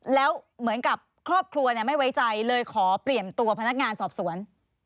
แล้วเหมือนกับครอบครัวไม่ไว้ใจเลยขอเปลี่ยนตัวพนักงานสอบสวน